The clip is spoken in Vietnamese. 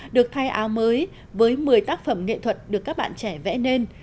được thay áo mới với một mươi tác phẩm nghệ thuật được các bạn trẻ vẽ nên